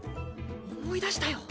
思い出したよ。